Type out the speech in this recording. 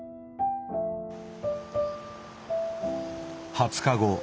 ２０日後。